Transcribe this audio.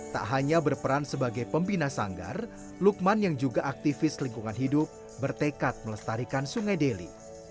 tak hanya berperan sebagai pembina sanggar lukman yang juga aktivis lingkungan hidup bertekad melestarikan sungai deli